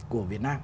của việt nam